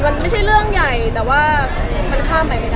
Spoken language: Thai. มันไม่ใช่เรื่องใหญ่แต่ว่ามันข้ามไปไม่ได้